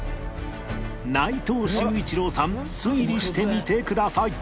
内藤秀一郎さん推理してみてください